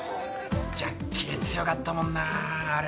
ジャッキー強かったもんなあ。